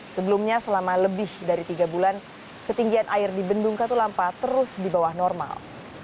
sebelumnya selama lebih dari tiga bulan ketinggian air di bendung katulampa terus di bawah normal